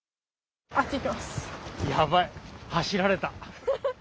やばい走られた。